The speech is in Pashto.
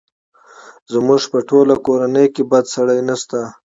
زموږ په ټوله کورنۍ کې بد سړی نه شته!